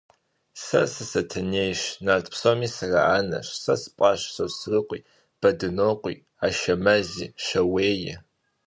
Сэ сы-Сатэнейщ, нарт псоми сыраанэщ; сэ спӀащ Сосрыкъуи, Бадынокъуи, Ашэмэзи, Щауеи.